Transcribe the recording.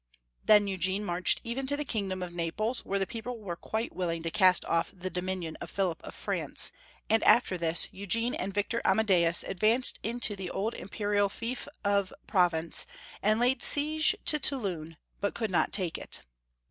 Then Eugene marched even to the kingdom of Naples, where the people were quite willing to cast off the dominion of Philip of France ; and after this, Eugene and Victor Amadeus ad* vanced into the old Imperial fief of Provence, and laid seige to Toulon, but could not take it.